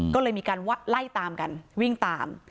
ก็เลยมีการไล่ตามกันวิ่งตาม